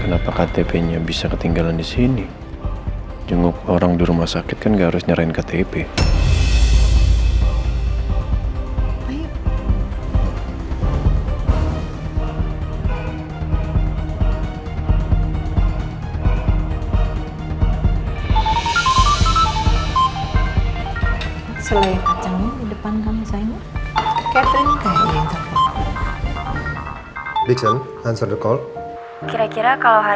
apa kamu baik baik aja kayaknya suara kamu agak serah